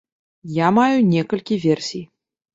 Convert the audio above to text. Я маю некалькі версій.